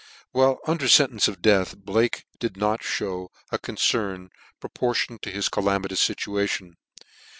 While under fentence of death, Blake did not Ihew a concern proportioned to his calamitous fituation.